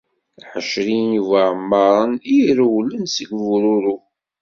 Ԑecrin ibuεemmaren i irewlen seg bururu.